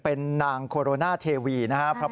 เป็นนางโคโรนาเทวีนะครับ